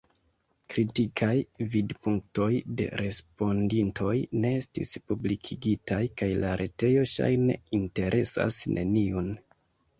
Kritikaj vidpunktoj de respondintoj ne estis publikigitaj, kaj la retejo ŝajne interesas neniun.